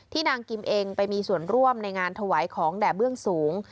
นางกิมเองไปมีส่วนร่วมในงานถวายของแด่เบื้องสูง